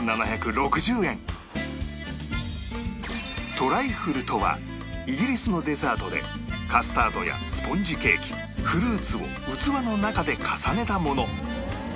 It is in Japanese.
トライフルとはイギリスのデザートでカスタードやスポンジケーキフルーツを器の中で重ねたもの